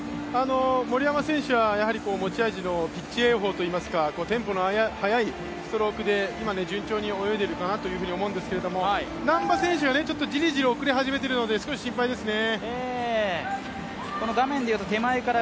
森山選手は持ち味のピッチ泳法といいますか、テンポの速いストロークで今、順調に泳いでるかなと思いますが、難波選手がちょっとじりじり遅れ始めているので少し心配ですね。